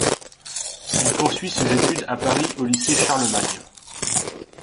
Il poursuit ses études à Paris au Lycée Charlemagne.